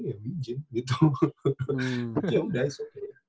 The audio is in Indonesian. oke yaudah it s okay ya